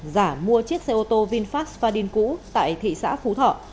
giả mua chiếc xe ô tô vinfast fadin cũ tại thị xã phú thọ